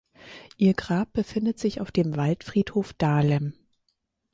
Ihr Grab befindet sich auf dem Waldfriedhof Dahlem.